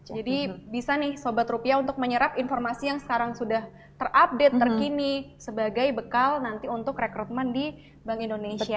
jadi bisa nih sobat rupiah untuk menyerap informasi yang sekarang sudah terupdate terkini sebagai bekal nanti untuk rekrutmen di bank indonesia